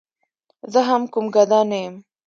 زه هم کوم ګدا نه یم.